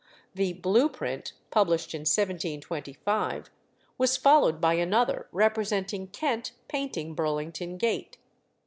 The "blue print," published in 1725, was followed by another representing Kent painting Burlington Gate.